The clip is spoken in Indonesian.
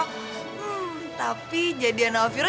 hmm tapi jadian sama viro